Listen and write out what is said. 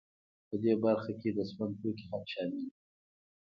په دې برخه کې د سون توکي هم شامل دي